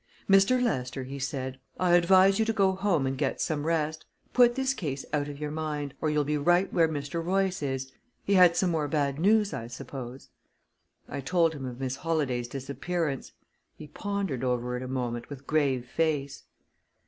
"Mr. Lester," he said, "I advise you to go home and get some rest. Put this case out of your mind, or you'll be right where Mr. Royce is. He had some more bad news, I suppose?" I told him of Miss Holladay's disappearance; he pondered over it a moment with grave face.